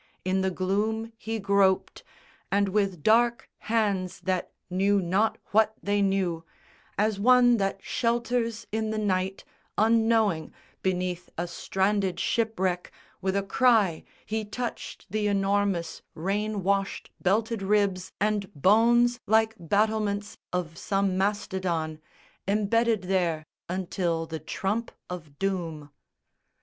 In the gloom he groped, And with dark hands that knew not what they knew, As one that shelters in the night, unknowing, Beneath a stranded shipwreck, with a cry He touched the enormous rain washed belted ribs And bones like battlements of some Mastodon Embedded there until the trump of doom.